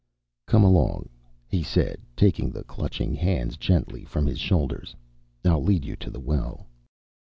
"Come along," he said, taking the clutching hands gently from his shoulders. "I'll lead you to the well."